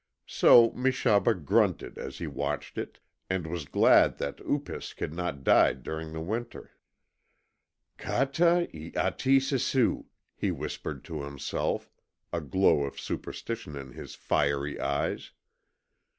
So Meshaba grunted as he watched it, and was glad that Upisk had not died during the winter. "Kata y ati sisew," he whispered to himself, a glow of superstition in his fiery eyes.